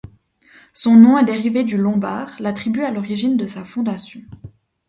Son nom est dérivé du Lombard, la tribu à l'origine de sa fondation.